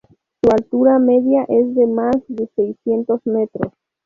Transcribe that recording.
Su altura media es de más de seiscientos metros.